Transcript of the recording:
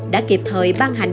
đã kịp thời ban hành